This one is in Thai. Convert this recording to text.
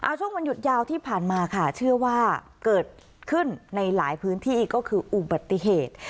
ช่วงวันหยุดยาวที่ผ่านมาค่ะเชื่อว่าเกิดขึ้นในหลายพื้นที่ก็คืออุบัติเหตุ